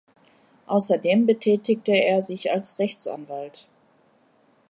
Außerdem betätigte er sich als Rechtsanwalt.